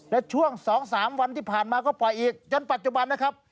และช่วง๒๓วันที่ผ่านมาก็ปล่อยอีกจนปัจจุบันนะครับ